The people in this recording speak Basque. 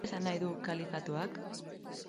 Zer esan nahi du kalifatoak?